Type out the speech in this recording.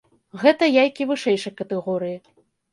Гэта яйкі вышэйшай катэгорыі.